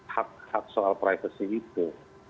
hak hak soal privacy itu